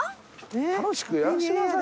楽しくやらしてください。